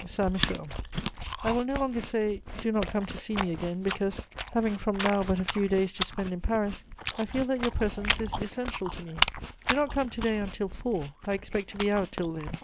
"SAINT MICHEL. "I will no longer say, 'Do not come to see me again,' because, having from now but a few days to spend in Paris, I feel that your presence is essential to me. Do not come to day until four; I expect to be out till then.